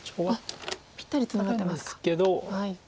ぴったりツナがってますか。